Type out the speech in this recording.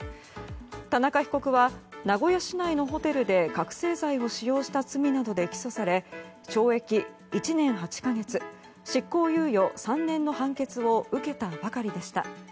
田中被告は名古屋市内のホテルで覚醒剤を使用した罪などで起訴され懲役１年８か月、執行猶予３年の判決を受けたばかりでした。